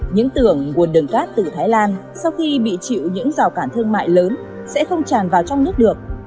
những tưởng nguồn đường cát từ thái lan sau khi bị chịu những rào cản thương mại lớn sẽ không tràn vào trong nước được